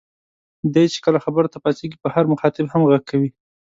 دی چې کله خبرو ته پاڅېږي په هر مخاطب هم غږ کوي.